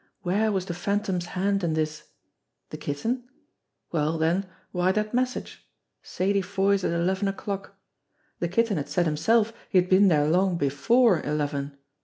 Where was the Phantom's hand in this? The Kitten? Well, then, why that message? "Sadie Foy's at eleven o'clock." The Kitten had said himself he had been there long before eleven.